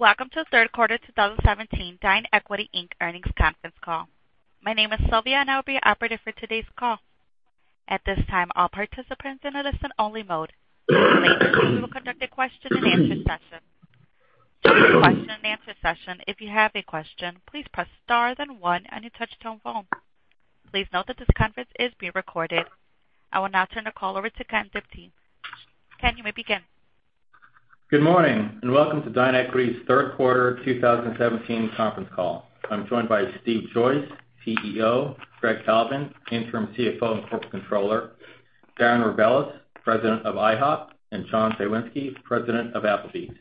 Welcome to the third quarter 2017 DineEquity Inc. earnings conference call. My name is Sylvia and I'll be operating for today's call. At this time, all participants are in a listen only mode. Later today, we will conduct a question and answer session. To ask a question in the answer session, if you have a question, please press star then one on your touch-tone phone. Please note that this conference is being recorded. I will now turn the call over to Ken Diptee. Ken, you may begin. Good morning, and welcome to DineEquity's third quarter 2017 conference call. I'm joined by Steve Joyce, CEO, Greg Kalvin, Interim CFO and Corporate Controller, Darren Rebelez, President of IHOP, and John Cywinski, President of Applebee's.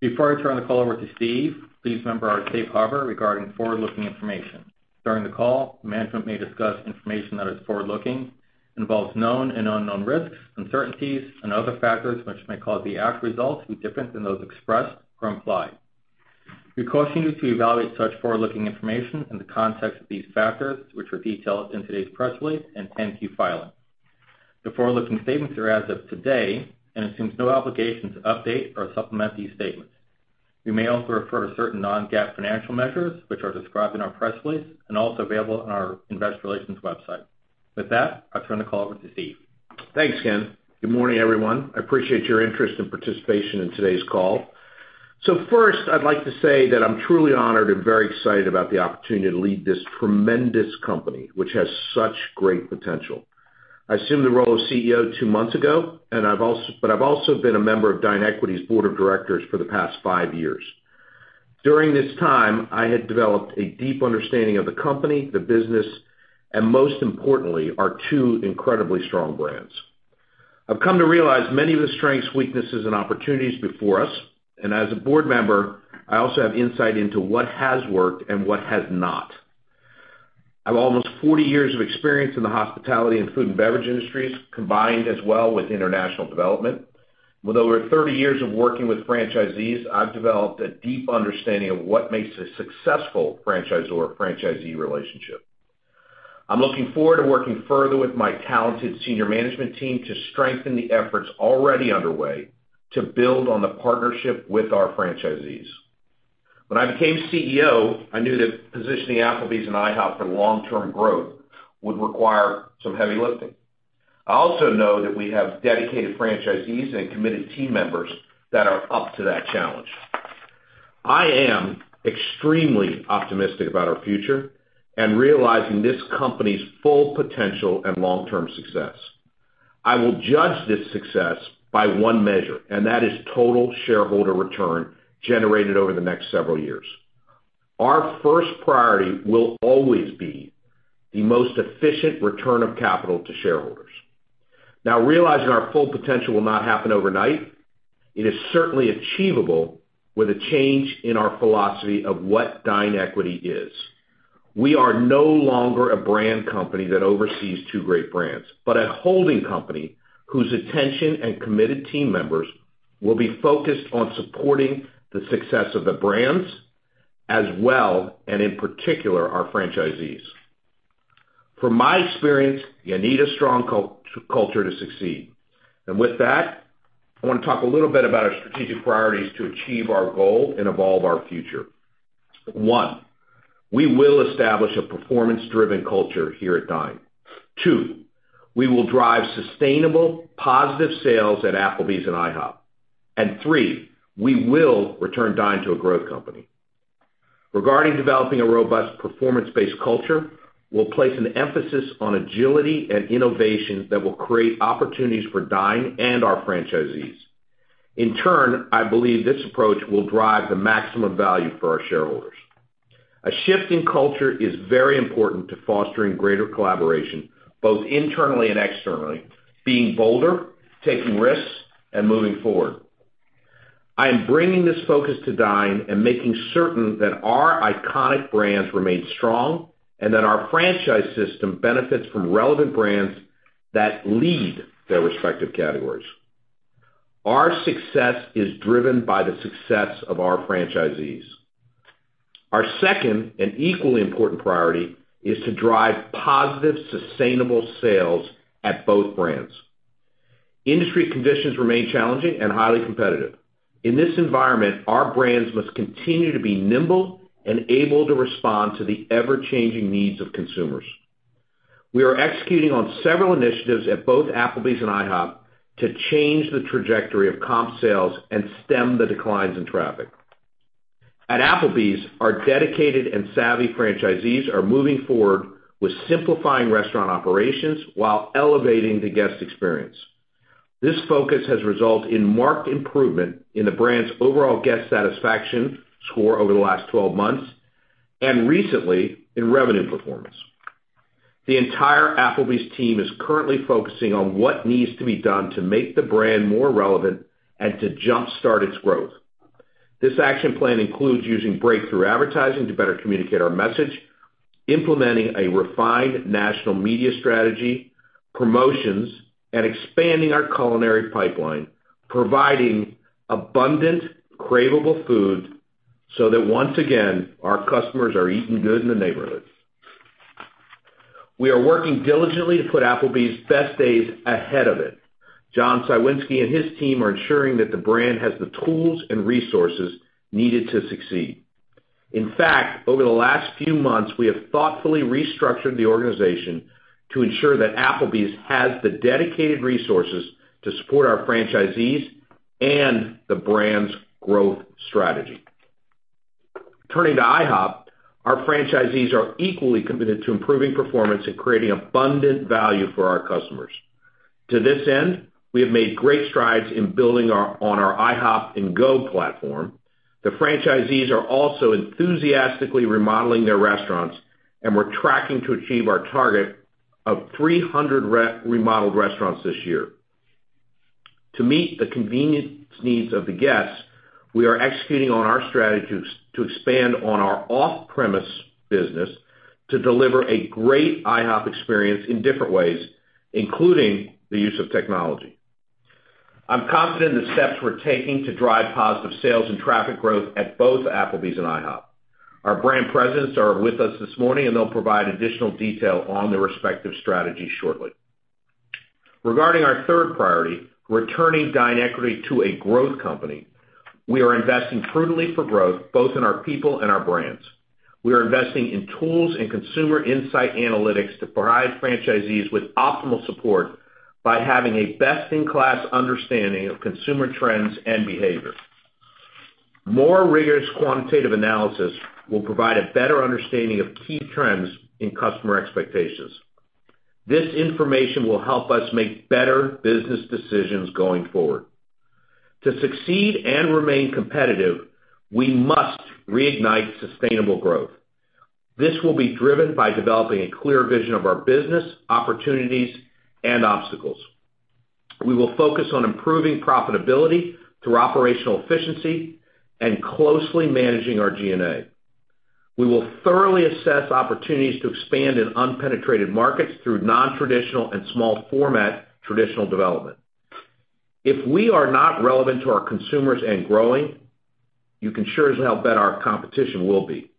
Before I turn the call over to Steve, please remember our safe harbor regarding forward-looking information. During the call, management may discuss information that is forward-looking, involves known and unknown risks, uncertainties, and other factors which may cause the actual results to be different than those expressed or implied. We caution you to evaluate such forward-looking information in the context of these factors, which are detailed in today's press release and 10-Q filing. The forward-looking statements are as of today and assumes no obligation to update or supplement these statements. We may also refer to certain non-GAAP financial measures, which are described in our press release and also available on our investor relations website. With that, I'll turn the call over to Steve. Thanks, Ken. Good morning, everyone. I appreciate your interest and participation in today's call. First, I'd like to say that I'm truly honored and very excited about the opportunity to lead this tremendous company, which has such great potential. I assumed the role of CEO two months ago, but I've also been a member of DineEquity's Board of Directors for the past five years. During this time, I had developed a deep understanding of the company, the business, and most importantly, our two incredibly strong brands. I've come to realize many of the strengths, weaknesses, and opportunities before us, and as a board member, I also have insight into what has worked and what has not. I've almost 40 years of experience in the hospitality and food and beverage industries, combined as well with international development. With over 30 years of working with franchisees, I've developed a deep understanding of what makes a successful franchisor-franchisee relationship. I'm looking forward to working further with my talented senior management team to strengthen the efforts already underway to build on the partnership with our franchisees. When I became CEO, I knew that positioning Applebee's and IHOP for long-term growth would require some heavy lifting. I also know that we have dedicated franchisees and committed team members that are up to that challenge. I am extremely optimistic about our future and realizing this company's full potential and long-term success. I will judge this success by one measure, and that is total shareholder return generated over the next several years. Our first priority will always be the most efficient return of capital to shareholders. Realizing our full potential will not happen overnight. It is certainly achievable with a change in our philosophy of what DineEquity, Inc. is. We are no longer a brand company that oversees two great brands, but a holding company whose attention and committed team members will be focused on supporting the success of the brands as well, and in particular, our franchisees. From my experience, you need a strong culture to succeed. With that, I want to talk a little bit about our strategic priorities to achieve our goal and evolve our future. One, we will establish a performance-driven culture here at Dine. Two, we will drive sustainable, positive sales at Applebee's and IHOP. Three, we will return Dine to a growth company. Regarding developing a robust performance-based culture, we'll place an emphasis on agility and innovation that will create opportunities for Dine and our franchisees. In turn, I believe this approach will drive the maximum value for our shareholders. A shift in culture is very important to fostering greater collaboration, both internally and externally, being bolder, taking risks, and moving forward. I am bringing this focus to Dine and making certain that our iconic brands remain strong and that our franchise system benefits from relevant brands that lead their respective categories. Our success is driven by the success of our franchisees. Our second and equally important priority is to drive positive, sustainable sales at both brands. Industry conditions remain challenging and highly competitive. In this environment, our brands must continue to be nimble and able to respond to the ever-changing needs of consumers. We are executing on several initiatives at both Applebee's and IHOP to change the trajectory of comp sales and stem the declines in traffic. At Applebee's, our dedicated and savvy franchisees are moving forward with simplifying restaurant operations while elevating the guest experience. This focus has resulted in marked improvement in the brand's overall guest satisfaction score over the last 12 months, and recently, in revenue performance. The entire Applebee's team is currently focusing on what needs to be done to make the brand more relevant and to jumpstart its growth. This action plan includes using breakthrough advertising to better communicate our message, implementing a refined national media strategy, promotions, and expanding our culinary pipeline, providing abundant, craveable food so that once again, our customers are Eatin' Good in the Neighborhood. We are working diligently to put Applebee's best days ahead of it. John Cywinski and his team are ensuring that the brand has the tools and resources needed to succeed. In fact, over the last few months, we have thoughtfully restructured the organization to ensure that Applebee's has the dedicated resources to support our franchisees and the brand's growth strategy. IHOP, our franchisees are equally committed to improving performance and creating abundant value for our customers. To this end, we have made great strides in building on our IHOP 'N GO platform. The franchisees are also enthusiastically remodeling their restaurants, and we're tracking to achieve our target of 300 remodeled restaurants this year. To meet the convenience needs of the guests, we are executing on our strategy to expand on our off-premise business to deliver a great IHOP experience in different ways, including the use of technology. I'm confident in the steps we're taking to drive positive sales and traffic growth at both Applebee's and IHOP. Our brand presidents are with us this morning, they'll provide additional detail on their respective strategies shortly. Regarding our third priority, returning DineEquity to a growth company, we are investing prudently for growth, both in our people and our brands. We are investing in tools and consumer insight analytics to provide franchisees with optimal support by having a best-in-class understanding of consumer trends and behavior. More rigorous quantitative analysis will provide a better understanding of key trends in customer expectations. This information will help us make better business decisions going forward. To succeed and remain competitive, we must reignite sustainable growth. This will be driven by developing a clear vision of our business, opportunities, and obstacles. We will focus on improving profitability through operational efficiency and closely managing our G&A. We will thoroughly assess opportunities to expand in unpenetrated markets through non-traditional and small format traditional development. If we are not relevant to our consumers and growing, you can sure as hell bet our competition will be.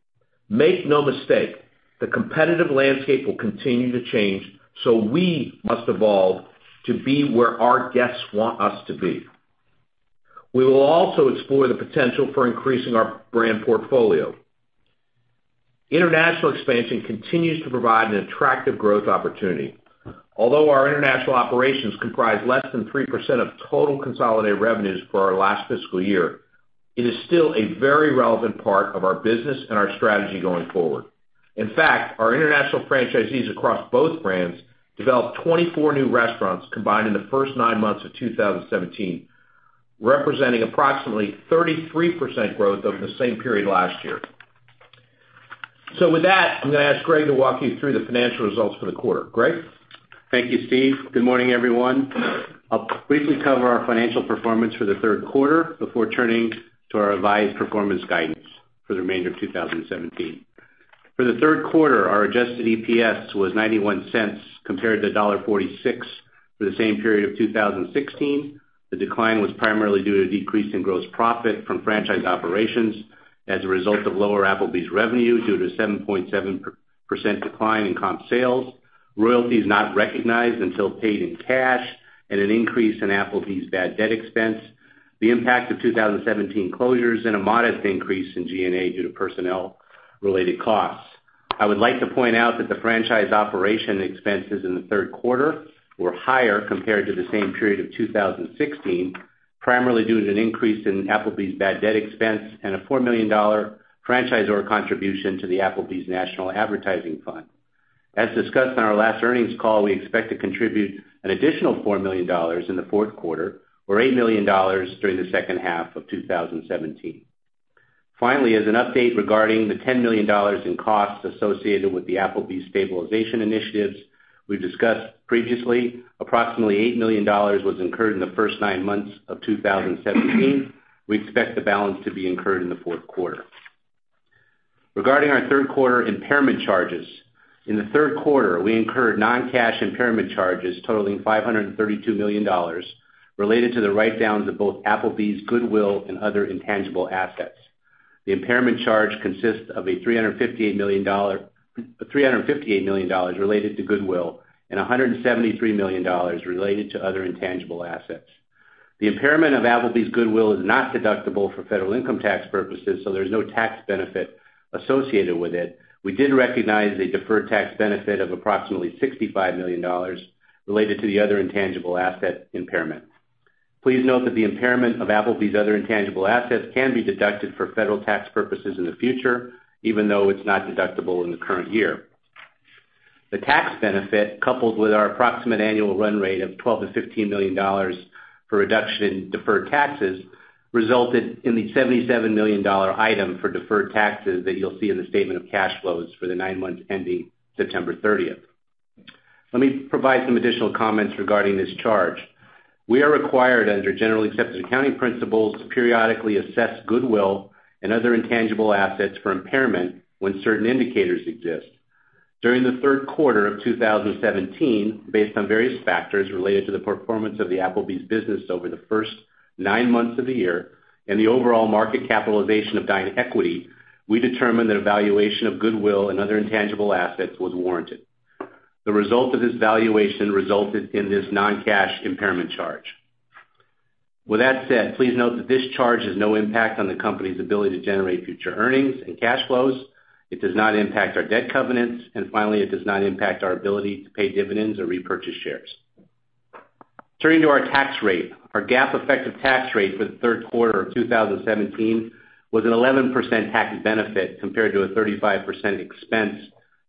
Make no mistake, the competitive landscape will continue to change, we must evolve to be where our guests want us to be. We will also explore the potential for increasing our brand portfolio. International expansion continues to provide an attractive growth opportunity. Although our international operations comprise less than 3% of total consolidated revenues for our last fiscal year, it is still a very relevant part of our business and our strategy going forward. In fact, our international franchisees across both brands developed 24 new restaurants combined in the first nine months of 2017, representing approximately 33% growth over the same period last year. With that, I'm going to ask Greg to walk you through the financial results for the quarter. Greg? Thank you, Steve. Good morning, everyone. I'll briefly cover our financial performance for the third quarter before turning to our revised performance guidance for the remainder of 2017. For the third quarter, our adjusted EPS was $0.91 compared to $1.46 for the same period of 2016. The decline was primarily due to a decrease in gross profit from franchise operations as a result of lower Applebee's revenue due to 7.7% decline in comp sales, royalties not recognized until paid in cash, an increase in Applebee's bad debt expense, the impact of 2017 closures, and a modest increase in G&A due to personnel-related costs. I would like to point out that the franchise operation expenses in the third quarter were higher compared to the same period of 2016, primarily due to an increase in Applebee's bad debt expense and a $4 million franchisor contribution to the Applebee's National Advertising Fund. As discussed on our last earnings call, we expect to contribute an additional $4 million in the fourth quarter or $8 million during the second half of 2017. Finally, as an update regarding the $10 million in costs associated with the Applebee's stabilization initiatives we discussed previously, approximately $8 million was incurred in the first nine months of 2017. We expect the balance to be incurred in the fourth quarter. Regarding our third quarter impairment charges, in the third quarter, we incurred non-cash impairment charges totaling $532 million related to the write-downs of both Applebee's goodwill and other intangible assets. The impairment charge consists of a $358 million related to goodwill and $173 million related to other intangible assets. The impairment of Applebee's goodwill is not deductible for federal income tax purposes, so there's no tax benefit associated with it. We did recognize a deferred tax benefit of approximately $65 million related to the other intangible asset impairment. Please note that the impairment of Applebee's other intangible assets can be deducted for federal tax purposes in the future, even though it's not deductible in the current year. The tax benefit, coupled with our approximate annual run rate of $12 million-$15 million for reduction in deferred taxes, resulted in the $77 million item for deferred taxes that you'll see in the statement of cash flows for the nine months ending September 30th. Let me provide some additional comments regarding this charge. We are required under generally accepted accounting principles to periodically assess goodwill and other intangible assets for impairment when certain indicators exist. During the third quarter of 2017, based on various factors related to the performance of the Applebee's business over the first nine months of the year and the overall market capitalization of DineEquity, Inc., we determined that a valuation of goodwill and other intangible assets was warranted. The result of this valuation resulted in this non-cash impairment charge. With that said, please note that this charge has no impact on the company's ability to generate future earnings and cash flows. It does not impact our debt covenants. Finally, it does not impact our ability to pay dividends or repurchase shares. Turning to our tax rate. Our GAAP effective tax rate for the third quarter of 2017 was an 11% tax benefit compared to a 35% expense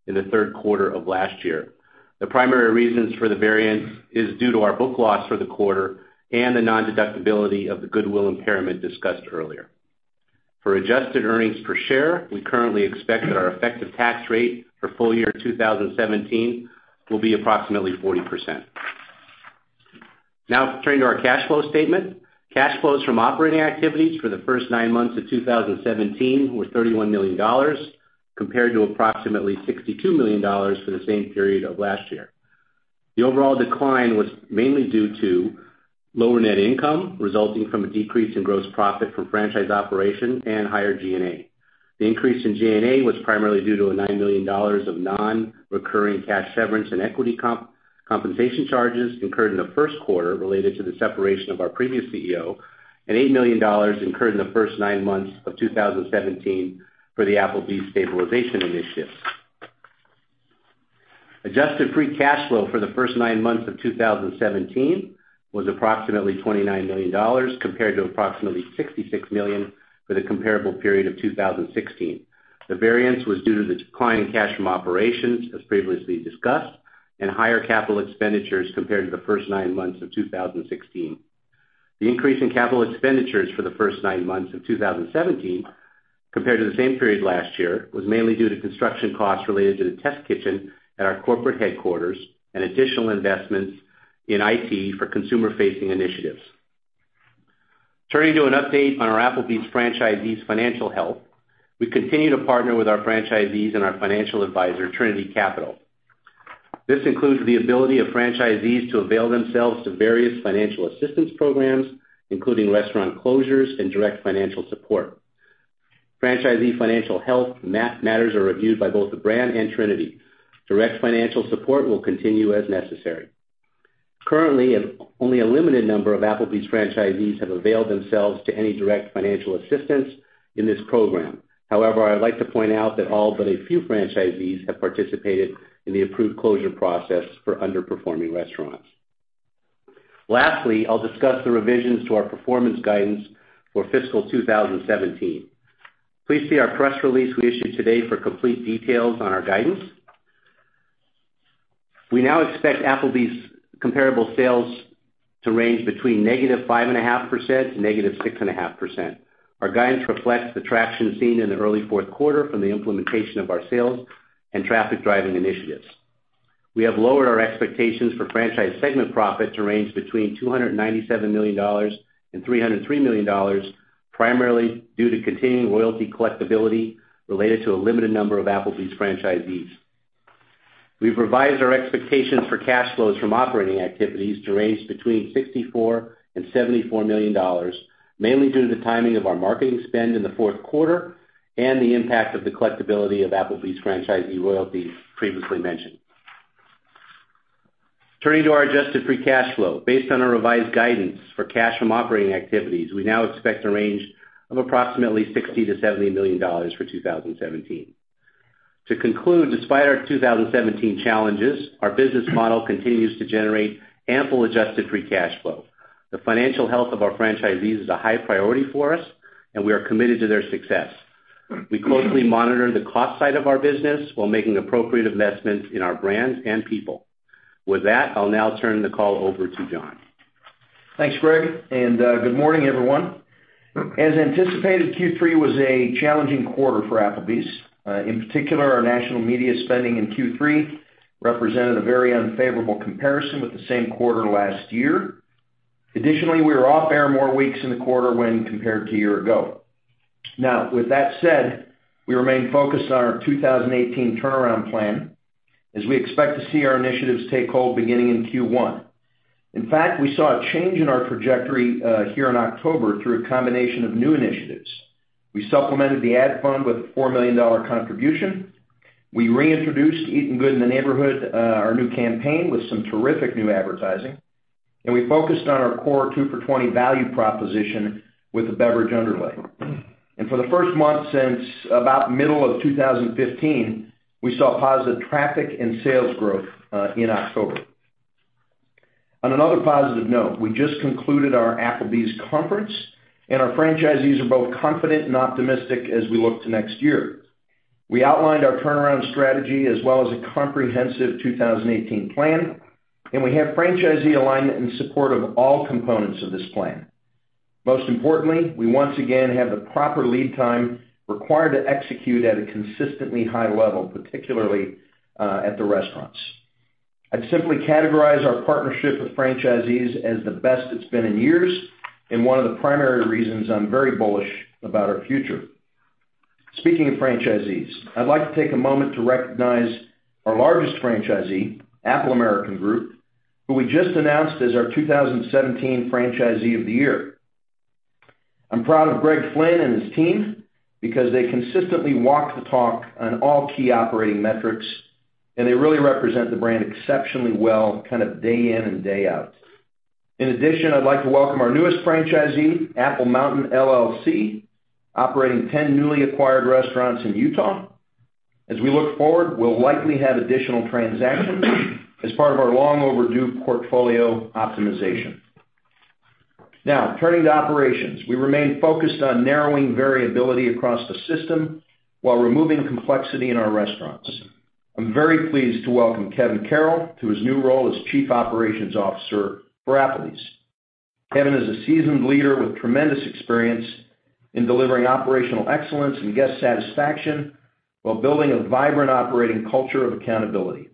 in the third quarter of last year. The primary reasons for the variance is due to our book loss for the quarter and the nondeductibility of the goodwill impairment discussed earlier. For adjusted earnings per share, we currently expect that our effective tax rate for full year 2017 will be approximately 40%. Turning to our cash flow statement. Cash flows from operating activities for the first nine months of 2017 were $31 million, compared to approximately $62 million for the same period of last year. The overall decline was mainly due to lower net income resulting from a decrease in gross profit from franchise operation and higher G&A. The increase in G&A was primarily due to a $9 million of non-recurring cash severance and equity compensation charges incurred in the first quarter related to the separation of our previous CEO, and $8 million incurred in the first nine months of 2017 for the Applebee's stabilization initiative. Adjusted free cash flow for the first nine months of 2017 was approximately $29 million, compared to approximately $66 million for the comparable period of 2016. The variance was due to the decline in cash from operations, as previously discussed, and higher capital expenditures compared to the first nine months of 2016. The increase in capital expenditures for the first nine months of 2017 compared to the same period last year, was mainly due to construction costs related to the test kitchen at our corporate headquarters and additional investments in IT for consumer-facing initiatives. Turning to an update on our Applebee's franchisees' financial health. We continue to partner with our franchisees and our financial advisor, Trinity Capital. This includes the ability of franchisees to avail themselves to various financial assistance programs, including restaurant closures and direct financial support. Franchisee financial health matters are reviewed by both the brand and Trinity. Direct financial support will continue as necessary. Currently, only a limited number of Applebee's franchisees have availed themselves to any direct financial assistance in this program. However, I would like to point out that all but a few franchisees have participated in the approved closure process for underperforming restaurants. Lastly, I'll discuss the revisions to our performance guidance for fiscal 2017. Please see our press release we issued today for complete details on our guidance. We now expect Applebee's comparable sales to range between negative 5.5% to negative 6.5%. Our guidance reflects the traction seen in the early fourth quarter from the implementation of our sales and traffic-driving initiatives. We have lowered our expectations for franchise segment profit to range between $297 million and $303 million, primarily due to continuing royalty collectibility related to a limited number of Applebee's franchisees. We've revised our expectations for cash flows from operating activities to range between $64 million and $74 million, mainly due to the timing of our marketing spend in the fourth quarter and the impact of the collectibility of Applebee's franchisee royalties previously mentioned. Turning to our adjusted free cash flow. Based on our revised guidance for cash from operating activities, we now expect a range of approximately $60 million to $70 million for 2017. To conclude, despite our 2017 challenges, our business model continues to generate ample adjusted free cash flow. The financial health of our franchisees is a high priority for us, and we are committed to their success. We closely monitor the cost side of our business while making appropriate investments in our brands and people. With that, I'll now turn the call over to John. Thanks, Greg, good morning, everyone. As anticipated, Q3 was a challenging quarter for Applebee's. In particular, our national media spending in Q3 represented a very unfavorable comparison with the same quarter last year. Additionally, we were off air more weeks in the quarter when compared to a year ago. With that said, we remain focused on our 2018 turnaround plan as we expect to see our initiatives take hold beginning in Q1. In fact, we saw a change in our trajectory here in October through a combination of new initiatives. We supplemented the ad fund with a $4 million contribution. We reintroduced Eatin' Good in the Neighborhood, our new campaign, with some terrific new advertising. We focused on our core 2 for $20 value proposition with a beverage underlay. For the first month since about middle of 2015, we saw positive traffic and sales growth in October. On another positive note, we just concluded our Applebee's conference. Our franchisees are both confident and optimistic as we look to next year. We outlined our turnaround strategy as well as a comprehensive 2018 plan. We have franchisee alignment and support of all components of this plan. Most importantly, we once again have the proper lead time required to execute at a consistently high level, particularly at the restaurants. I'd simply categorize our partnership with franchisees as the best it's been in years and one of the primary reasons I'm very bullish about our future. Speaking of franchisees, I'd like to take a moment to recognize our largest franchisee, Apple American Group, who we just announced as our 2017 Franchisee of the Year. I'm proud of Greg Flynn and his team because they consistently walk the talk on all key operating metrics. They really represent the brand exceptionally well day in and day out. In addition, I'd like to welcome our newest franchisee, Apple Mountain LLC, operating 10 newly acquired restaurants in Utah. As we look forward, we'll likely have additional transactions as part of our long overdue portfolio optimization. Turning to operations. We remain focused on narrowing variability across the system while removing complexity in our restaurants. I am very pleased to welcome Kevin Carroll to his new role as Chief Operations Officer for Applebee's. Kevin is a seasoned leader with tremendous experience in delivering operational excellence and guest satisfaction while building a vibrant operating culture of accountability.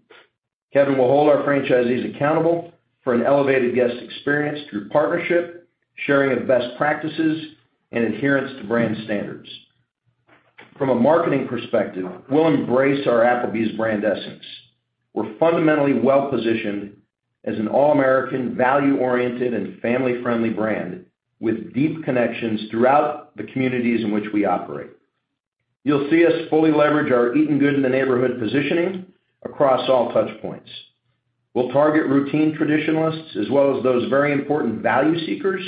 Kevin will hold our franchisees accountable for an elevated guest experience through partnership, sharing of best practices, and adherence to brand standards. From a marketing perspective, we'll embrace our Applebee's brand essence. We're fundamentally well-positioned as an all-American, value-oriented, and family-friendly brand with deep connections throughout the communities in which we operate. You'll see us fully leverage our Eatin' Good in the Neighborhood positioning across all touch points. We'll target routine traditionalists as well as those very important value seekers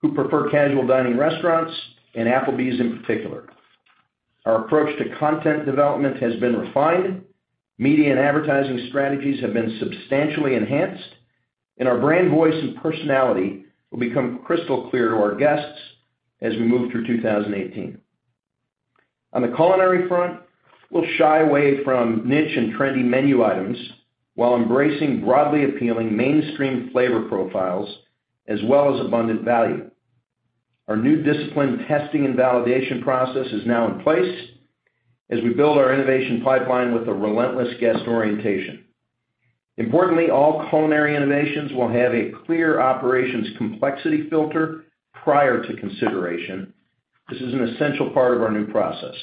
who prefer casual dining restaurants and Applebee's in particular. Our approach to content development has been refined, media and advertising strategies have been substantially enhanced. Our brand voice and personality will become crystal clear to our guests as we move through 2018. On the culinary front, we'll shy away from niche and trendy menu items while embracing broadly appealing mainstream flavor profiles as well as abundant value. Our new discipline testing and validation process is now in place as we build our innovation pipeline with a relentless guest orientation. Importantly, all culinary innovations will have a clear operations complexity filter prior to consideration. This is an essential part of our new process.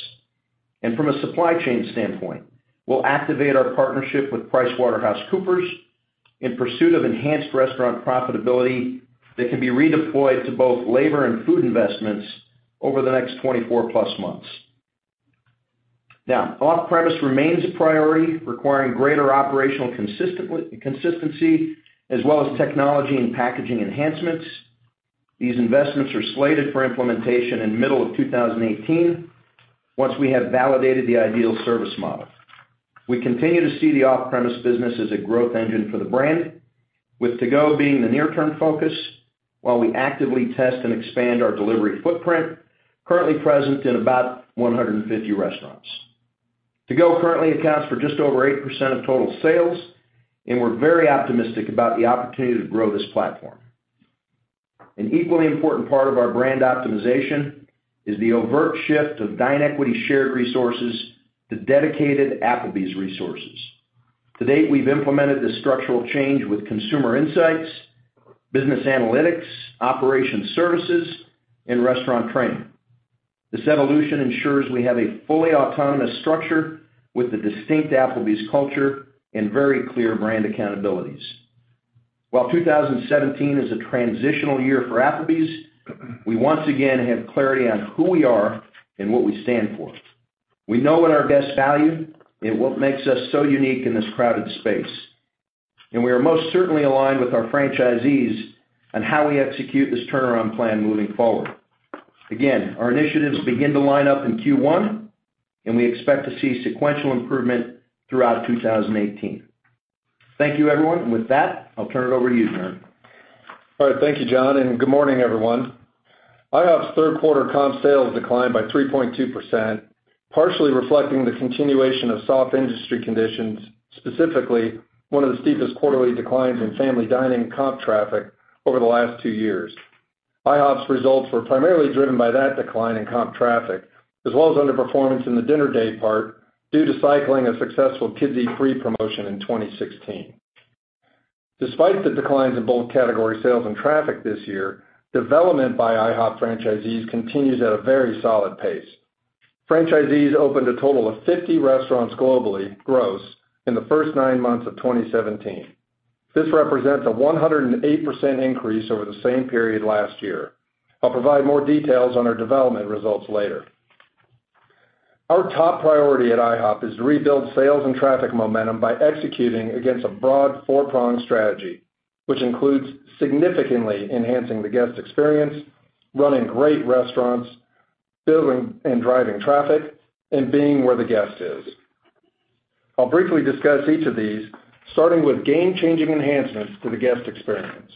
From a supply chain standpoint, we'll activate our partnership with PricewaterhouseCoopers in pursuit of enhanced restaurant profitability that can be redeployed to both labor and food investments over the next 24+ months. Off-premise remains a priority, requiring greater operational consistency as well as technology and packaging enhancements. These investments are slated for implementation in middle of 2018 once we have validated the ideal service model. We continue to see the off-premise business as a growth engine for the brand, with to-go being the near-term focus while we actively test and expand our delivery footprint, currently present in about 150 restaurants. To-go currently accounts for just over 8% of total sales, We're very optimistic about the opportunity to grow this platform. An equally important part of our brand optimization is the overt shift of DineEquity shared resources to dedicated Applebee's resources. To date, we've implemented this structural change with consumer insights, business analytics, operation services, and restaurant training. This evolution ensures we have a fully autonomous structure with the distinct Applebee's culture and very clear brand accountabilities. While 2017 is a transitional year for Applebee's, we once again have clarity on who we are and what we stand for. We know what our guests value and what makes us so unique in this crowded space, We are most certainly aligned with our franchisees on how we execute this turnaround plan moving forward. Our initiatives begin to line up in Q1, We expect to see sequential improvement throughout 2018. Thank you, everyone. With that, I'll turn it over to you, Darren Rebelez. Thank you, John Cywinski, good morning, everyone. IHOP's third quarter comp sales declined by 3.2%, partially reflecting the continuation of soft industry conditions, specifically one of the steepest quarterly declines in family dining comp traffic over the last two years. IHOP's results were primarily driven by that decline in comp traffic, as well as underperformance in the dinner day part due to cycling a successful Kids Eat Free promotion in 2016. Despite the declines in both category sales and traffic this year, development by IHOP franchisees continues at a very solid pace. Franchisees opened a total of 50 restaurants globally, gross, in the first nine months of 2017. This represents a 108% increase over the same period last year. I'll provide more details on our development results later. Our top priority at IHOP is to rebuild sales and traffic momentum by executing against a broad four-pronged strategy, which includes significantly enhancing the guest experience, running great restaurants, building and driving traffic, and being where the guest is. I'll briefly discuss each of these, starting with game-changing enhancements to the guest experience.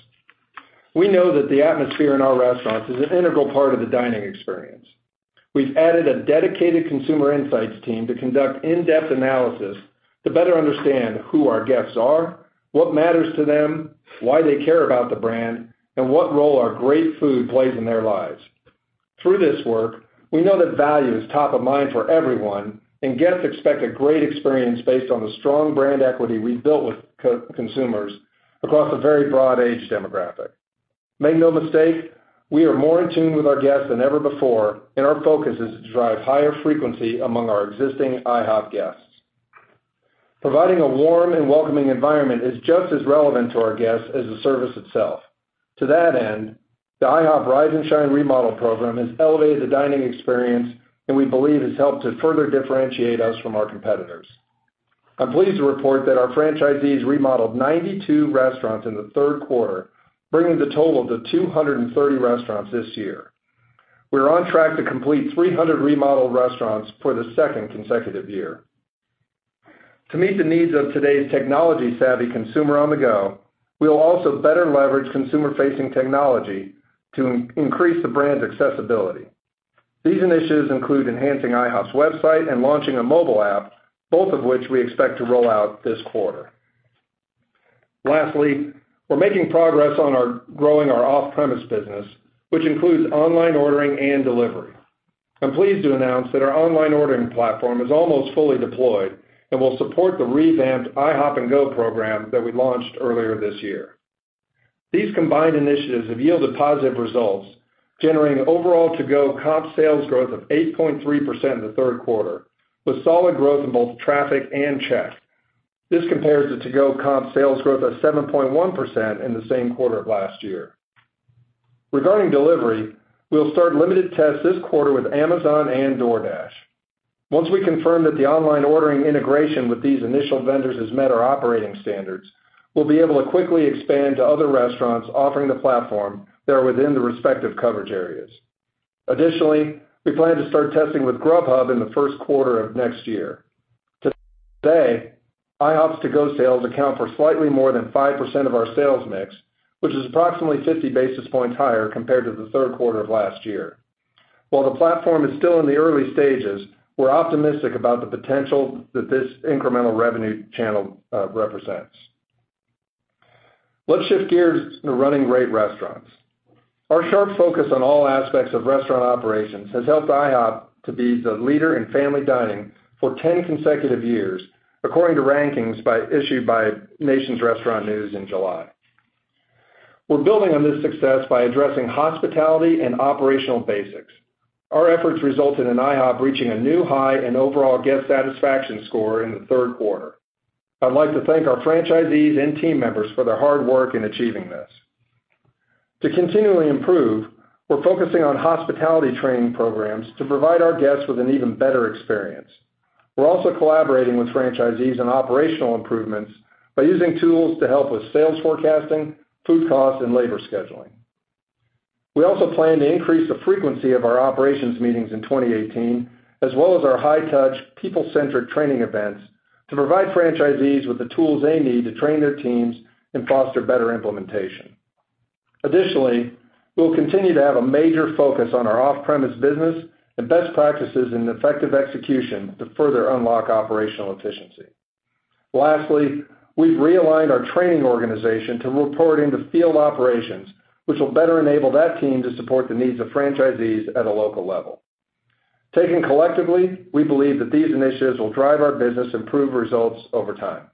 We know that the atmosphere in our restaurants is an integral part of the dining experience. We've added a dedicated consumer insights team to conduct in-depth analysis to better understand who our guests are, what matters to them, why they care about the brand, and what role our great food plays in their lives. Through this work, we know that value is top of mind for everyone, Guests expect a great experience based on the strong brand equity we've built with consumers across a very broad age demographic. Make no mistake, we are more in tune with our guests than ever before, and our focus is to drive higher frequency among our existing IHOP guests. Providing a warm and welcoming environment is just as relevant to our guests as the service itself. To that end, the IHOP Rise and Shine remodel program has elevated the dining experience, and we believe has helped to further differentiate us from our competitors. I'm pleased to report that our franchisees remodeled 92 restaurants in the third quarter, bringing the total to 230 restaurants this year. We are on track to complete 300 remodeled restaurants for the second consecutive year. To meet the needs of today's technology-savvy consumer on the go, we will also better leverage consumer-facing technology to increase the brand's accessibility. These initiatives include enhancing IHOP's website and launching a mobile app, both of which we expect to roll out this quarter. Lastly, we're making progress on growing our off-premise business, which includes online ordering and delivery. I'm pleased to announce that our online ordering platform is almost fully deployed and will support the revamped IHOP 'N GO program that we launched earlier this year. These combined initiatives have yielded positive results, generating overall to-go comp sales growth of 8.3% in the third quarter, with solid growth in both traffic and check. This compares the to-go comp sales growth of 7.1% in the same quarter of last year. Regarding delivery, we will start limited tests this quarter with Amazon and DoorDash. Once we confirm that the online ordering integration with these initial vendors has met our operating standards, we'll be able to quickly expand to other restaurants offering the platform that are within the respective coverage areas. Additionally, we plan to start testing with Grubhub in the first quarter of next year. To date, IHOP's to-go sales account for slightly more than 5% of our sales mix, which is approximately 50 basis points higher compared to the third quarter of last year. While the platform is still in the early stages, we're optimistic about the potential that this incremental revenue channel represents. Let's shift gears to running great restaurants. Our sharp focus on all aspects of restaurant operations has helped IHOP to be the leader in family dining for 10 consecutive years, according to rankings issued by Nation's Restaurant News in July. We're building on this success by addressing hospitality and operational basics. Our efforts resulted in IHOP reaching a new high and overall guest satisfaction score in the third quarter. I'd like to thank our franchisees and team members for their hard work in achieving this. To continually improve, we're focusing on hospitality training programs to provide our guests with an even better experience. We're also collaborating with franchisees on operational improvements by using tools to help with sales forecasting, food cost, and labor scheduling. We also plan to increase the frequency of our operations meetings in 2018, as well as our high-touch, people-centric training events to provide franchisees with the tools they need to train their teams and foster better implementation. Additionally, we will continue to have a major focus on our off-premise business and best practices and effective execution to further unlock operational efficiency. Lastly, we've realigned our training organization to report into field operations, which will better enable that team to support the needs of franchisees at a local level. Taken collectively, we believe that these initiatives will drive our business improve results over time.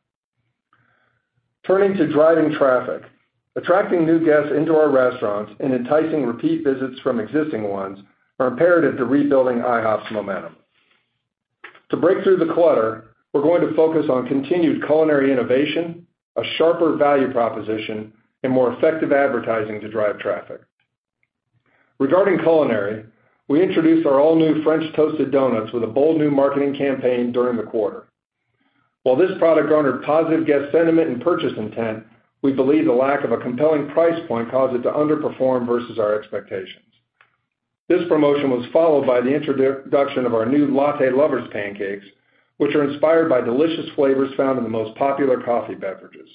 Turning to driving traffic. Attracting new guests into our restaurants and enticing repeat visits from existing ones are imperative to rebuilding IHOP's momentum. To break through the clutter, we're going to focus on continued culinary innovation, a sharper value proposition, and more effective advertising to drive traffic. Regarding culinary, we introduced our all-new French Toasted Donuts with a bold new marketing campaign during the quarter. While this product garnered positive guest sentiment and purchase intent, we believe the lack of a compelling price point caused it to underperform versus our expectations. This promotion was followed by the introduction of our new Latte Lover's Pancakes, which are inspired by delicious flavors found in the most popular coffee beverages.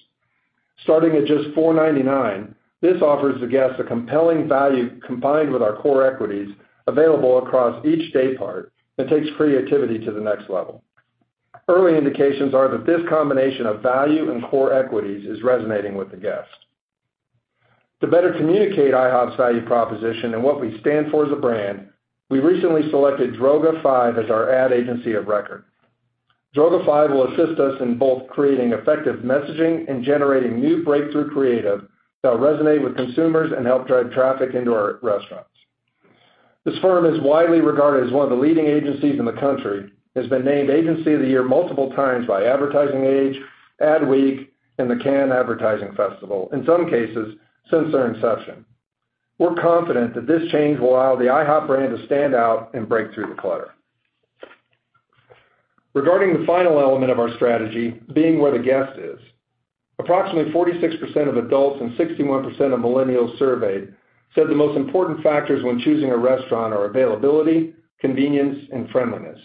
Starting at just $4.99, this offers the guest a compelling value combined with our core equities available across each day part and takes creativity to the next level. Early indications are that this combination of value and core equities is resonating with the guest. To better communicate IHOP's value proposition and what we stand for as a brand, we recently selected Droga5 as our ad agency of record. Droga5 will assist us in both creating effective messaging and generating new breakthrough creative that will resonate with consumers and help drive traffic into our restaurants. This firm is widely regarded as one of the leading agencies in the country, has been named agency of the year multiple times by Ad Age, Adweek, and the Cannes Lions International Festival of Creativity, in some cases since their inception. We're confident that this change will allow the IHOP brand to stand out and break through the clutter. Regarding the final element of our strategy, being where the guest is. Approximately 46% of adults and 61% of millennials surveyed said the most important factors when choosing a restaurant are availability, convenience, and friendliness.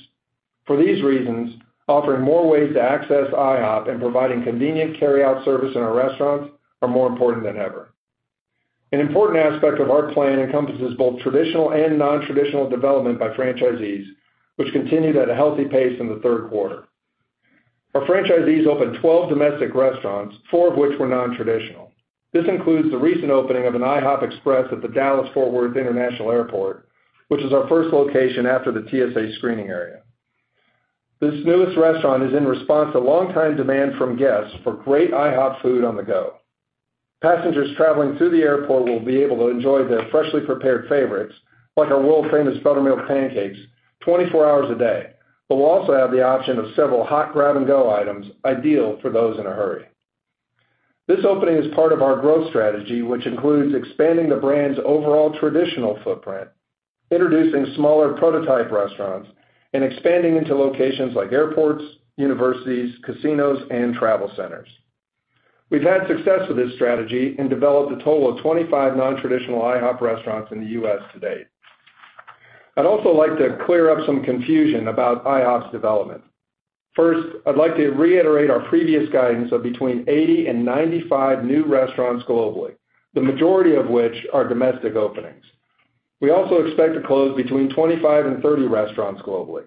For these reasons, offering more ways to access IHOP and providing convenient carryout service in our restaurants are more important than ever. An important aspect of our plan encompasses both traditional and non-traditional development by franchisees, which continued at a healthy pace in the third quarter. Our franchisees opened 12 domestic restaurants, four of which were non-traditional. This includes the recent opening of an IHOP Express at the Dallas Fort Worth International Airport, which is our first location after the TSA screening area. This newest restaurant is in response to long-time demand from guests for great IHOP food on the go. Passengers traveling through the airport will be able to enjoy their freshly prepared favorites, like our world-famous buttermilk pancakes 24 hours a day, but will also have the option of several hot grab-and-go items ideal for those in a hurry. This opening is part of our growth strategy, which includes expanding the brand's overall traditional footprint, introducing smaller prototype restaurants, and expanding into locations like airports, universities, casinos, and travel centers. We've had success with this strategy and developed a total of 25 non-traditional IHOP restaurants in the U.S. to date. I'd also like to clear up some confusion about IHOP's development. First, I'd like to reiterate our previous guidance of between 80 and 95 new restaurants globally, the majority of which are domestic openings. We also expect to close between 25 and 30 restaurants globally.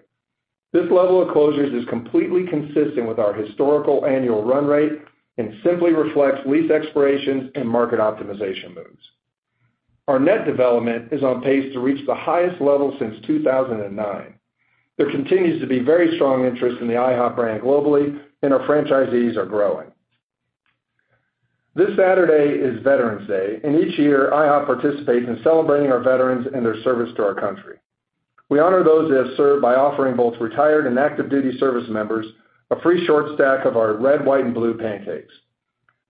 This level of closures is completely consistent with our historical annual run rate and simply reflects lease expirations and market optimization moves. Our net development is on pace to reach the highest level since 2009. There continues to be very strong interest in the IHOP brand globally, and our franchisees are growing. This Saturday is Veterans Day, and each year, IHOP participates in celebrating our veterans and their service to our country. We honor those that have served by offering both retired and active duty service members a free short stack of our red, white, and blue pancakes.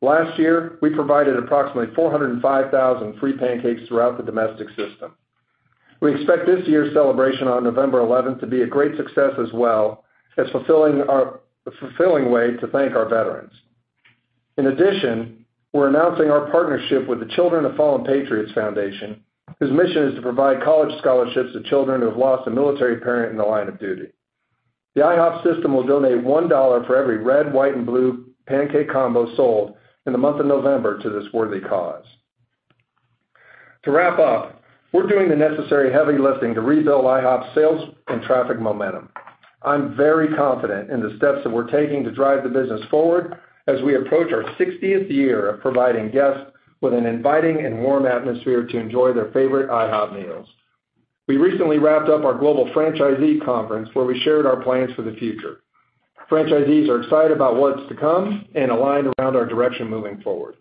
Last year, we provided approximately 405,000 free pancakes throughout the domestic system. In addition, we're announcing our partnership with the Children of Fallen Patriots Foundation, whose mission is to provide college scholarships to children who have lost a military parent in the line of duty. The IHOP system will donate $1 for every red, white, and blue pancake combo sold in the month of November to this worthy cause. To wrap up, we're doing the necessary heavy lifting to rebuild IHOP's sales and traffic momentum. I'm very confident in the steps that we're taking to drive the business forward as we approach our 60th year of providing guests with an inviting and warm atmosphere to enjoy their favorite IHOP meals. We recently wrapped up our global franchisee conference, where we shared our plans for the future. Franchisees are excited about what's to come and aligned around our direction moving forward.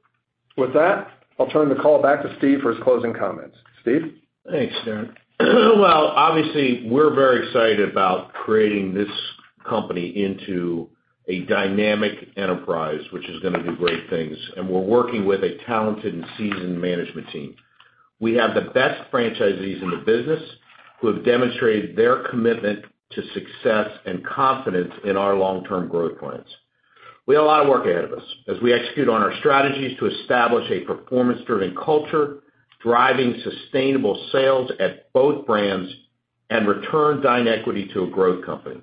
With that, I'll turn the call back to Steve for his closing comments. Steve? Thanks, Darren. Well, obviously, we're very excited about creating this company into a dynamic enterprise, which is going to do great things, and we're working with a talented and seasoned management team. We have the best franchisees in the business who have demonstrated their commitment to success and confidence in our long-term growth plans. We have a lot of work ahead of us as we execute on our strategies to establish a performance-driven culture, driving sustainable sales at both brands, and return DineEquity to a growth company.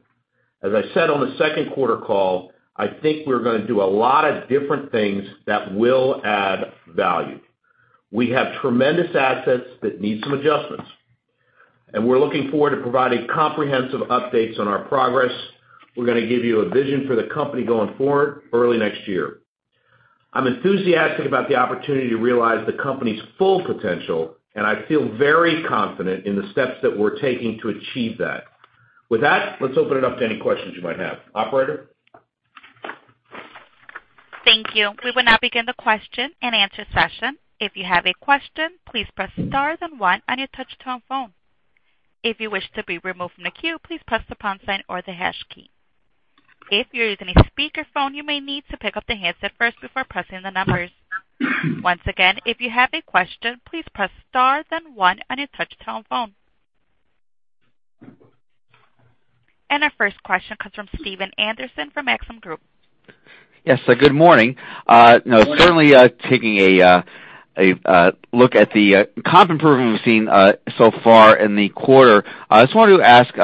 As I said on the second quarter call, I think we're going to do a lot of different things that will add value. We have tremendous assets that need some adjustments, and we're looking forward to providing comprehensive updates on our progress. We're going to give you a vision for the company going forward early next year. I'm enthusiastic about the opportunity to realize the company's full potential, I feel very confident in the steps that we're taking to achieve that. With that, let's open it up to any questions you might have. Operator? Thank you. We will now begin the question-and-answer session. If you have a question, please press star then one on your touch-tone phone. If you wish to be removed from the queue, please press the pound sign or the hash key. If you're using a speakerphone, you may need to pick up the handset first before pressing the numbers. Once again, if you have a question, please press star then one on your touch-tone phone. Our first question comes from Stephen Anderson from Maxim Group. Yes, good morning. Certainly taking a look at the comp improvement we've seen so far in the quarter, I just wanted to ask,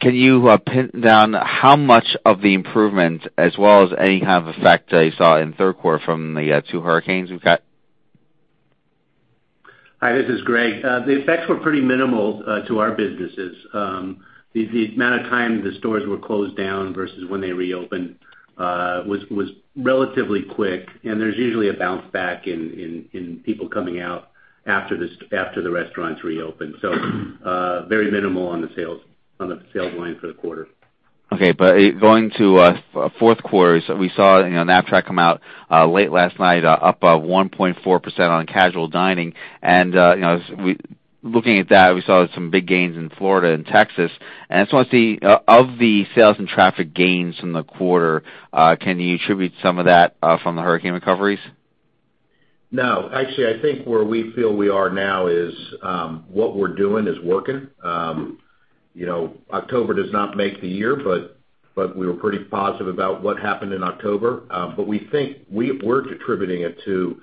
can you pin down how much of the improvement, as well as any kind of effect that you saw in third quarter from the two hurricanes we've had? Hi, this is Greg. The effects were pretty minimal to our businesses. The amount of time the stores were closed down versus when they reopened was relatively quick, there's usually a bounce back in people coming out after the restaurants reopen. Very minimal on the sales line for the quarter. Okay, going to fourth quarter, we saw a Black Box come out late last night, up 1.4% on casual dining. Looking at that, we saw some big gains in Florida and Texas. I just want to see, of the sales and traffic gains from the quarter, can you attribute some of that from the hurricane recoveries? No, actually, I think where we feel we are now is what we're doing is working. October does not make the year, we were pretty positive about what happened in October. We're contributing it to,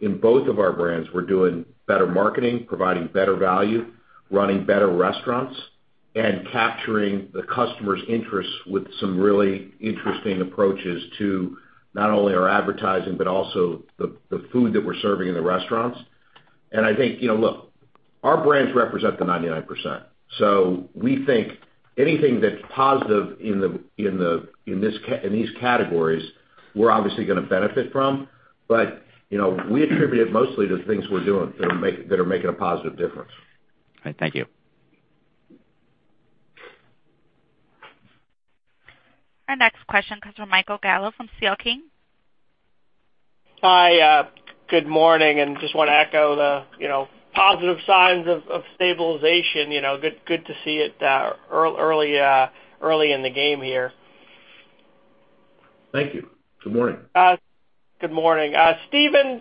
in both of our brands, we're doing better marketing, providing better value, running better restaurants, and capturing the customers' interests with some really interesting approaches to not only our advertising, but also the food that we're serving in the restaurants. I think, look, our brands represent the 99%, so we think anything that's positive in these categories, we're obviously going to benefit from. We attribute it mostly to things we're doing that are making a positive difference. All right, thank you. Our next question comes from Michael Gallo from C.L. King. Hi, good morning, just want to echo the positive signs of stabilization. Good to see it early in the game here. Thank you. Good morning. Good morning. Stephen,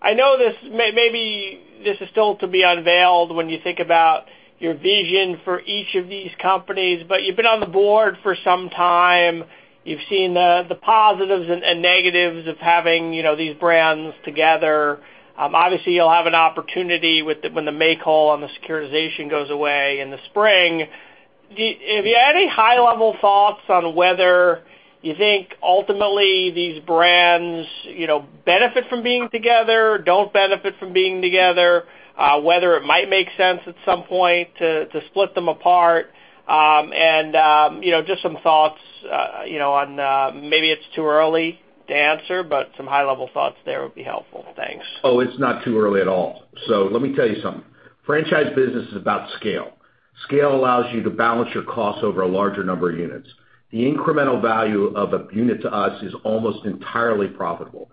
I know this maybe is still to be unveiled when you think about your vision for each of these companies, you've been on the board for some time. You've seen the positives and negatives of having these brands together. Obviously, you'll have an opportunity when the make-whole on the securitization goes away in the spring. If you had any high-level thoughts on whether you think ultimately these brands benefit from being together, don't benefit from being together, whether it might make sense at some point to split them apart, just some thoughts on maybe it's too early to answer, but some high-level thoughts there would be helpful. Thanks. Oh, it's not too early at all. Let me tell you something. Franchise business is about scale. Scale allows you to balance your costs over a larger number of units. The incremental value of a unit to us is almost entirely profitable.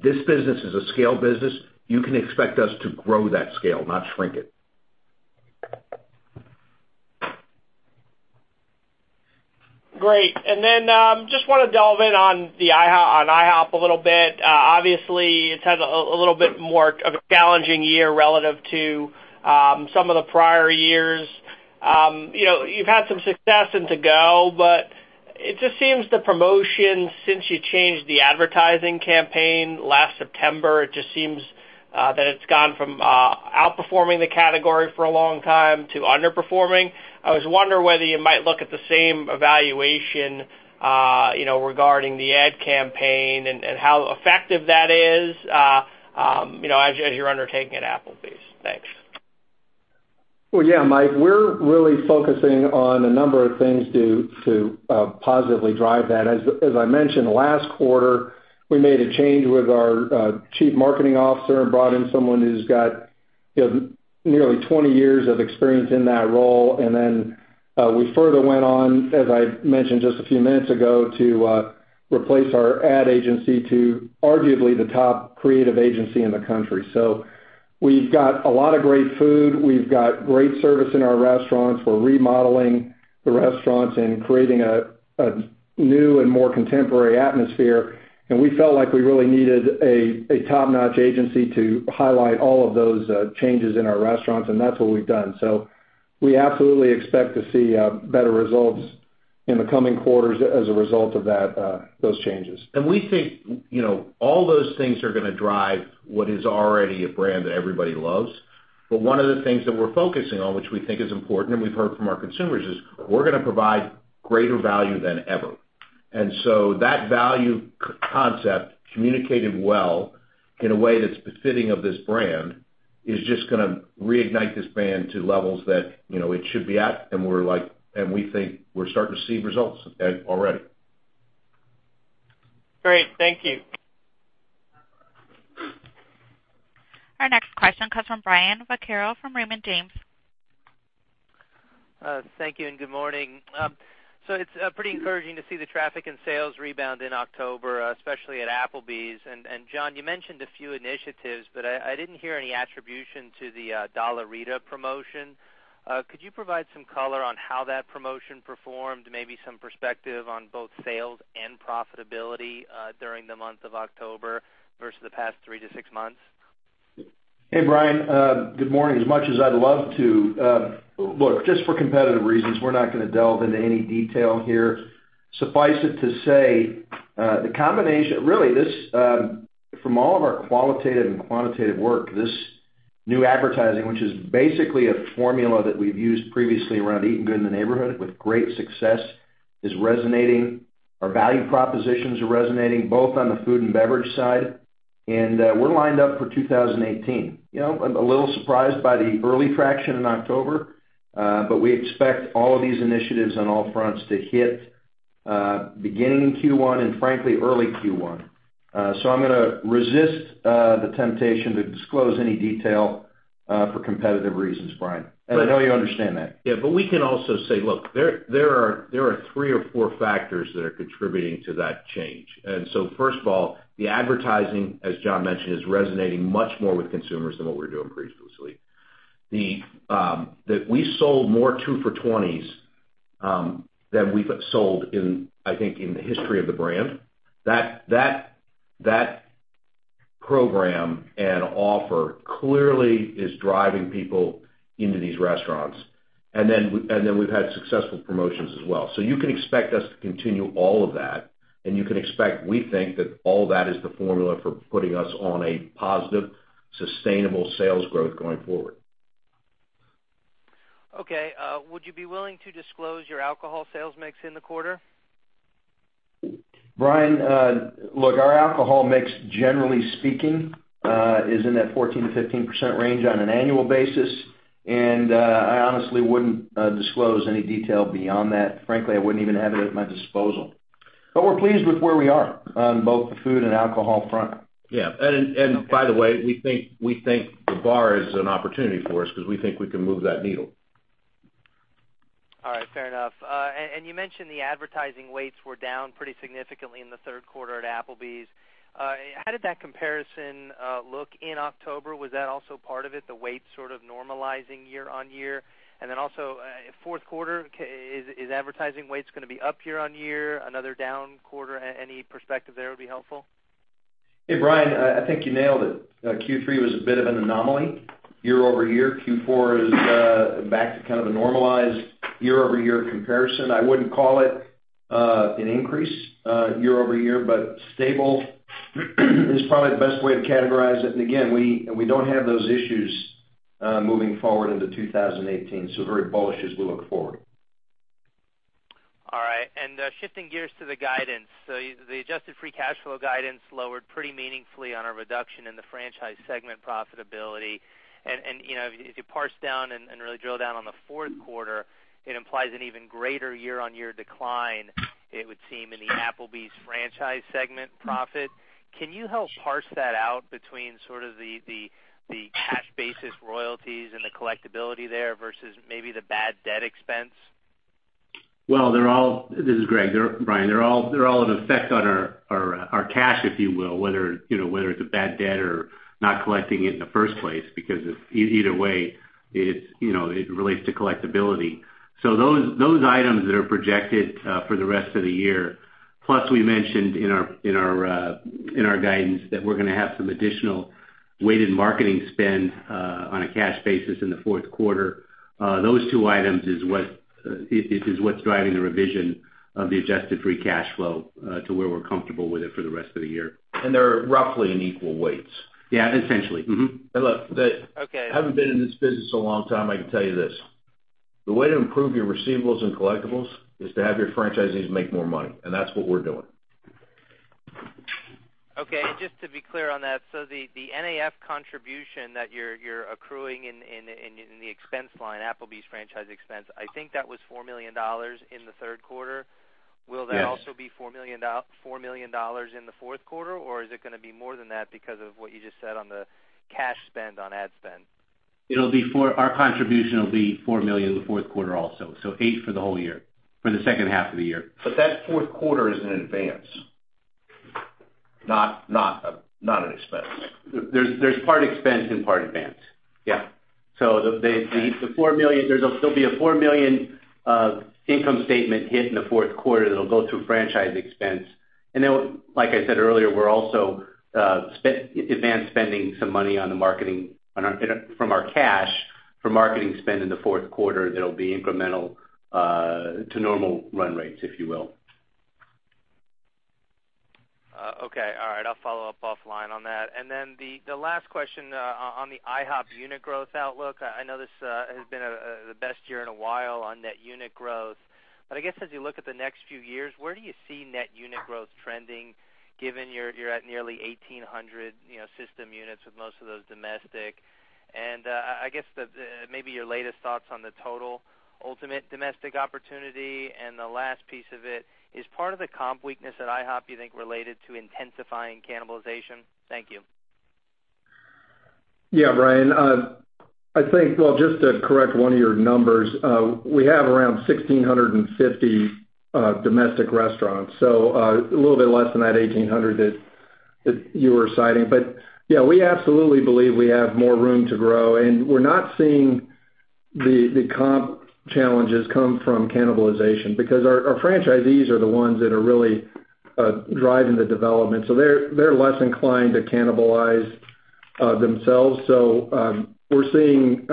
This business is a scale business. You can expect us to grow that scale, not shrink it. Great. Just want to delve in on IHOP a little bit. Obviously, it's had a little bit more of a challenging year relative to some of the prior years. You've had some success in to-go, but it just seems the promotion since you changed the advertising campaign last September, it just seems that it's gone from outperforming the category for a long time to underperforming. I was wondering whether you might look at the same evaluation regarding the ad campaign and how effective that is as you're undertaking at Applebee's. Thanks. Well, yeah, Mike, we're really focusing on a number of things to positively drive that. As I mentioned last quarter, we made a change with our chief marketing officer and brought in someone who's got nearly 20 years of experience in that role. We further went on, as I mentioned just a few minutes ago, to replace our ad agency to arguably the top creative agency in the country. We've got a lot of great food. We've got great service in our restaurants. We're remodeling the restaurants and creating a new and more contemporary atmosphere, and we felt like we really needed a top-notch agency to highlight all of those changes in our restaurants, and that's what we've done. We absolutely expect to see better results in the coming quarters as a result of those changes. We think all those things are going to drive what is already a brand that everybody loves. One of the things that we're focusing on, which we think is important and we've heard from our consumers, is we're going to provide greater value than ever. That value concept communicated well in a way that's befitting of this brand, is just going to reignite this brand to levels that it should be at, and we think we're starting to see results already. Great. Thank you. Our next question comes from Brian Vaccaro from Raymond James. Thank you and good morning. It's pretty encouraging to see the traffic and sales rebound in October, especially at Applebee's. John, you mentioned a few initiatives, but I didn't hear any attribution to the Dollarita promotion. Could you provide some color on how that promotion performed, maybe some perspective on both sales and profitability during the month of October versus the past three to six months? Hey, Brian. Good morning. As much as I'd love to, look, just for competitive reasons, we're not going to delve into any detail here. Suffice it to say, really, from all of our qualitative and quantitative work, this new advertising, which is basically a formula that we've used previously around Eatin' Good in the Neighborhood with great success, is resonating. Our value propositions are resonating both on the food and beverage side, and we're lined up for 2018. I'm a little surprised by the early traction in October, but we expect all of these initiatives on all fronts to hit beginning in Q1 and frankly, early Q1. I'm going to resist the temptation to disclose any detail for competitive reasons, Brian, and I know you understand that. Yeah, we can also say, look, there are three or four factors that are contributing to that change. First of all, the advertising, as John mentioned, is resonating much more with consumers than what we were doing previously. We sold more 2 for $20s than we've sold, I think, in the history of the brand. That program and offer clearly is driving people into these restaurants. We've had successful promotions as well. You can expect us to continue all of that, you can expect, we think, that all that is the formula for putting us on a positive, sustainable sales growth going forward. Okay. Would you be willing to disclose your alcohol sales mix in the quarter? Brian, look, our alcohol mix, generally speaking, is in that 14%-15% range on an annual basis. I honestly wouldn't disclose any detail beyond that. Frankly, I wouldn't even have it at my disposal. We're pleased with where we are on both the food and alcohol front. Yeah. By the way, we think the bar is an opportunity for us because we think we can move that needle. All right. Fair enough. You mentioned the advertising weights were down pretty significantly in the third quarter at Applebee's. How did that comparison look in October? Was that also part of it, the weight sort of normalizing year-on-year? Then also, fourth quarter, is advertising weights going to be up year-on-year, another down quarter? Any perspective there would be helpful. Hey, Brian, I think you nailed it. Q3 was a bit of an anomaly year-over-year. Q4 is back to kind of a normalized year-over-year comparison. I wouldn't call it an increase year-over-year, but stable is probably the best way to categorize it. Again, we don't have those issues moving forward into 2018, so very bullish as we look forward. All right, shifting gears to the guidance. The adjusted free cash flow guidance lowered pretty meaningfully on a reduction in the franchise segment profitability. If you parse down and really drill down on the fourth quarter, it implies an even greater year-on-year decline, it would seem, in the Applebee's franchise segment profit. Can you help parse that out between sort of the cash basis royalties and the collectibility there versus maybe the bad debt expense? Well, they're all. This is Greg. Brian, they're all an effect on our cash, if you will, whether it's a bad debt or not collecting it in the first place, because either way, it relates to collectibility. Those items that are projected for the rest of the year, plus we mentioned in our guidance that we're going to have some additional weighted marketing spend on a cash basis in the fourth quarter. Those two items is what's driving the revision of the adjusted free cash flow to where we're comfortable with it for the rest of the year. They're roughly in equal weights. Yeah, essentially. And look- Okay I've been in this business a long time, I can tell you this. The way to improve your receivables and collectibles is to have your franchisees make more money, and that's what we're doing. Okay, just to be clear on that, the NAF contribution that you're accruing in the expense line, Applebee's franchise expense, I think that was $4 million in the third quarter. Yes. Will that also be $4 million in the fourth quarter, or is it going to be more than that because of what you just said on the cash spend on ad spend? Our contribution will be $4 million in the fourth quarter also, 8 for the whole year, for the second half of the year. That fourth quarter is in advance, not an expense. There's part expense and part advance. Yeah. There'll still be a $4 million of income statement hit in the fourth quarter that'll go through franchise expense. Then, like I said earlier, we're also advance spending some money from our cash for marketing spend in the fourth quarter that'll be incremental to normal run rates, if you will. Okay. All right. I'll follow up offline on that. Then the last question on the IHOP unit growth outlook. I know this has been the best year in a while on net unit growth. I guess as you look at the next few years, where do you see net unit growth trending, given you're at nearly 1,800 system units with most of those domestic? I guess maybe your latest thoughts on the total ultimate domestic opportunity, and the last piece of it, is part of the comp weakness at IHOP you think related to intensifying cannibalization? Thank you. Yeah, Brian. Well, just to correct one of your numbers, we have around 1,650 domestic restaurants, so a little bit less than that 1,800 that you were citing. Yeah, we absolutely believe we have more room to grow, and we're not seeing the comp challenges come from cannibalization because our franchisees are the ones that are really driving the development. They're less inclined to cannibalize themselves. We're seeing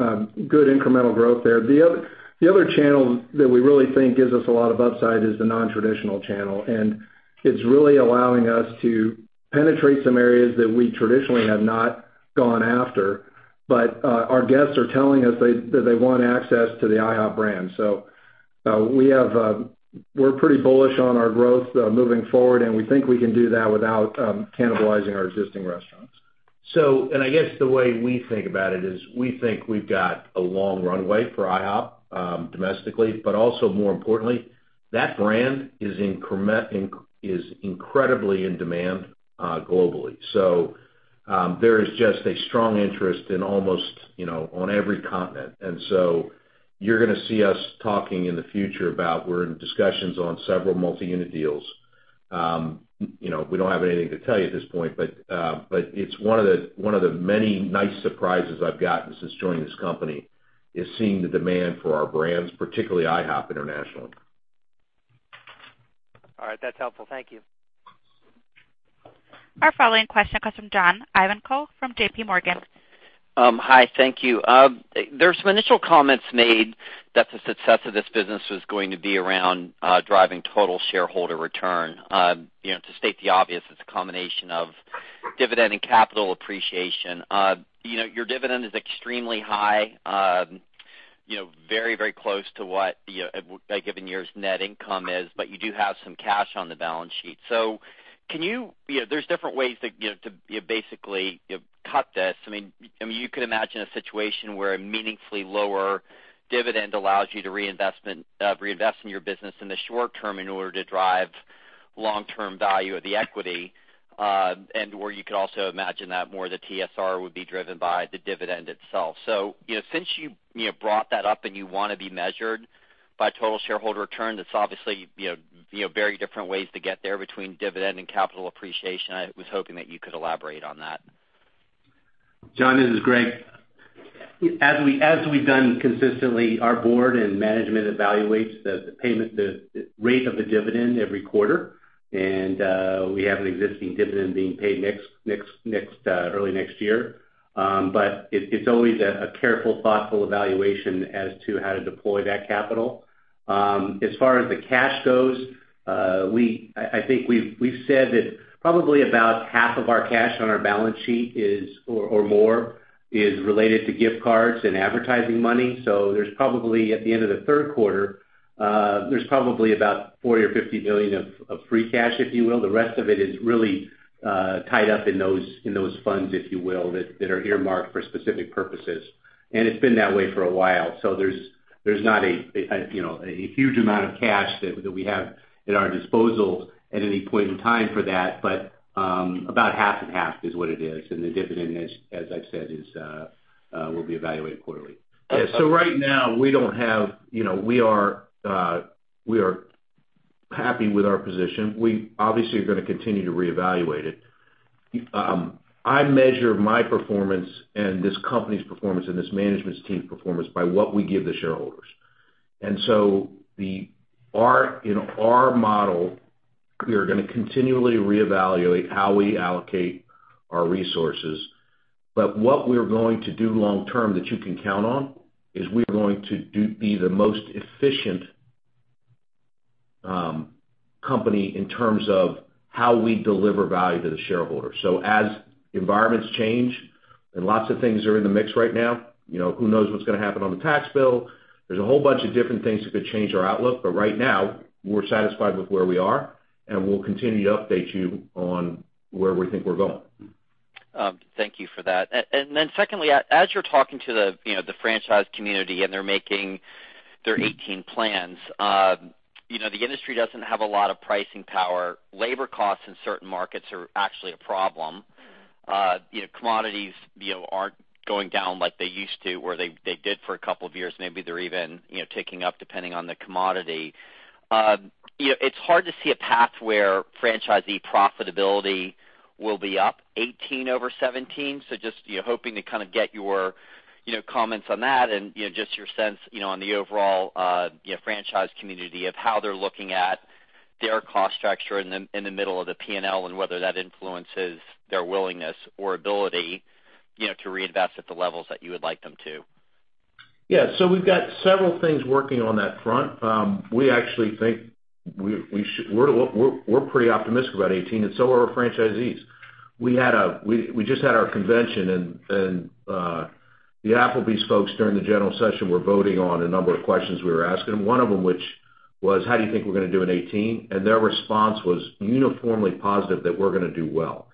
good incremental growth there. The other channel that we really think gives us a lot of upside is the nontraditional channel, and it's really allowing us to penetrate some areas that we traditionally have not gone after. Our guests are telling us that they want access to the IHOP brand. We're pretty bullish on our growth moving forward, and we think we can do that without cannibalizing our existing restaurants. I guess the way we think about it is we think we've got a long runway for IHOP domestically. Also more importantly, that brand is incredibly in demand globally. There is just a strong interest on almost every continent. You're going to see us talking in the future about we're in discussions on several multi-unit deals. We don't have anything to tell you at this point, but it's one of the many nice surprises I've gotten since joining this company, is seeing the demand for our brands, particularly IHOP International. All right. That's helpful. Thank you. Our following question comes from John Ivankoe from JPMorgan. Hi, thank you. There were some initial comments made that the success of this business was going to be around driving total shareholder return. To state the obvious, it's a combination of dividend and capital appreciation. Your dividend is extremely high. Very close to what a given year's net income is, but you do have some cash on the balance sheet. There's different ways to basically cut this. You could imagine a situation where a meaningfully lower dividend allows you to reinvest in your business in the short term in order to drive long-term value of the equity. Where you could also imagine that more of the TSR would be driven by the dividend itself. Since you brought that up and you want to be measured by total shareholder return, that's obviously very different ways to get there between dividend and capital appreciation. I was hoping that you could elaborate on that. John, this is Greg. As we've done consistently, our board and management evaluates the rate of the dividend every quarter, and we have an existing dividend being paid early next year. It's always a careful, thoughtful evaluation as to how to deploy that capital. As far as the cash goes, I think we've said that probably about half of our cash on our balance sheet or more is related to gift cards and advertising money. At the end of the third quarter, there's probably about $40 million or $50 million of free cash, if you will. The rest of it is really tied up in those funds, if you will, that are earmarked for specific purposes. It's been that way for a while. There's not a huge amount of cash that we have at our disposal at any point in time for that, but about half and half is what it is. The dividend, as I've said, will be evaluated quarterly. Right now we are happy with our position. We obviously are going to continue to reevaluate it. I measure my performance and this company's performance, and this management team's performance by what we give the shareholders. In our model, we are going to continually reevaluate how we allocate our resources. What we're going to do long term that you can count on, is we're going to be the most efficient company in terms of how we deliver value to the shareholder. As environments change, and lots of things are in the mix right now. Who knows what's going to happen on the tax bill? There's a whole bunch of different things that could change our outlook, but right now, we're satisfied with where we are, and we'll continue to update you on where we think we're going. Thank you for that. Secondly, as you're talking to the franchise community and they're making their 2018 plans, the industry doesn't have a lot of pricing power. Labor costs in certain markets are actually a problem. Commodities aren't going down like they used to, or they did for a couple of years. Maybe they're even ticking up depending on the commodity. It's hard to see a path where franchisee profitability will be up 2018 over 2017. Just hoping to kind of get your comments on that and just your sense on the overall franchise community of how they're looking at their cost structure in the middle of the P&L and whether that influences their willingness or ability to reinvest at the levels that you would like them to. We've got several things working on that front. We're pretty optimistic about 2018, and so are our franchisees. We just had our convention, and the Applebee's folks during the general session were voting on a number of questions we were asking, one of them which was, "How do you think we're going to do in 2018?" Their response was uniformly positive that we're going to do well.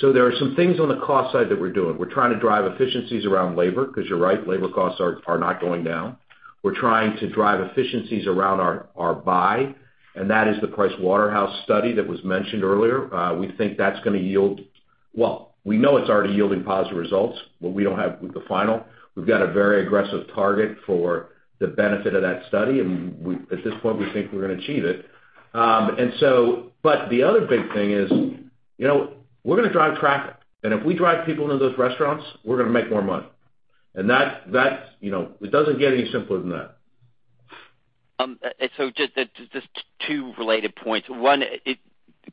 There are some things on the cost side that we're doing. We're trying to drive efficiencies around labor, because you're right, labor costs are not going down. We're trying to drive efficiencies around our buy, and that is the Pricewaterhouse study that was mentioned earlier. We know it's already yielding positive results, but we don't have the final. We've got a very aggressive target for the benefit of that study, and at this point, we think we're going to achieve it. The other big thing is we're going to drive traffic, and if we drive people into those restaurants, we're going to make more money. It doesn't get any simpler than that. Just two related points. One,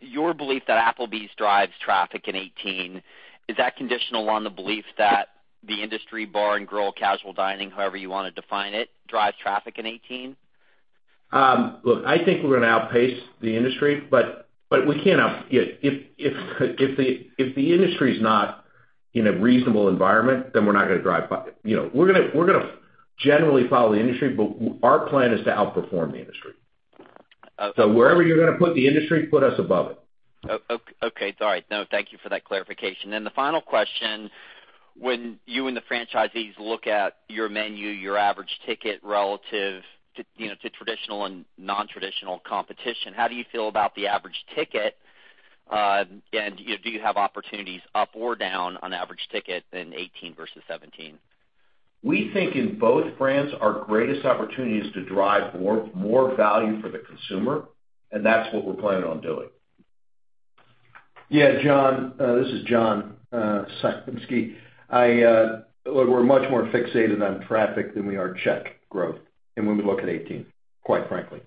your belief that Applebee's drives traffic in 2018, is that conditional on the belief that the industry bar and grill casual dining, however you want to define it, drives traffic in 2018? Look, I think we're going to outpace the industry, but if the industry's not in a reasonable environment, then we're not going to generally follow the industry, but our plan is to outperform the industry. Okay. Wherever you're going to put the industry, put us above it. Okay. It's all right. Thank you for that clarification. The final question. When you and the franchisees look at your menu, your average ticket relative to traditional and non-traditional competition, how do you feel about the average ticket? Do you have opportunities up or down on average ticket in 2018 versus 2017? We think in both brands, our greatest opportunity is to drive more value for the consumer, that's what we're planning on doing. Yeah, John. This is John Cywinski. Look, we're much more fixated on traffic than we are check growth, when we look at 2018, quite frankly.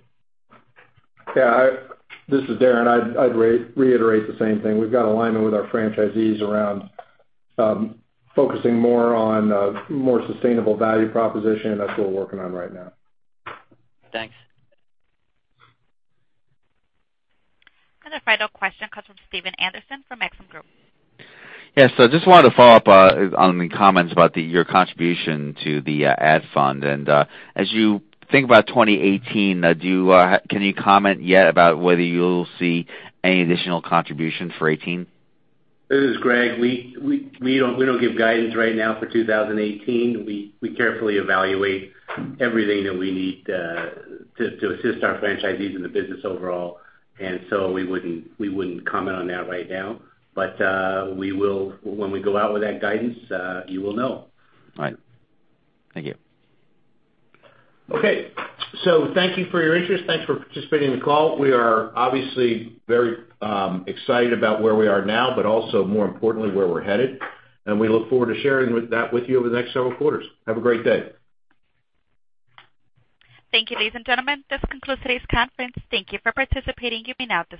Yeah. This is Darren. I'd reiterate the same thing. We've got alignment with our franchisees around focusing more on a more sustainable value proposition, and that's what we're working on right now. Thanks. The final question comes from Stephen Anderson from Maxim Group. Yes. Just wanted to follow up on the comments about your contribution to the ad fund. As you think about 2018, can you comment yet about whether you'll see any additional contribution for '18? This is Greg. We don't give guidance right now for 2018. We carefully evaluate everything that we need to assist our franchisees in the business overall. We wouldn't comment on that right now. When we go out with that guidance, you will know. All right. Thank you. Okay. Thank you for your interest. Thanks for participating in the call. We are obviously very excited about where we are now, but also more importantly, where we're headed, and we look forward to sharing that with you over the next several quarters. Have a great day. Thank you, ladies and gentlemen. This concludes today's conference. Thank you for participating. You may now disconnect.